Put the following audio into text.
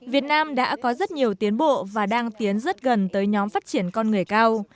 việt nam đã có rất nhiều tiến bộ và đang tiến rất gần tới nhóm phát triển con người cao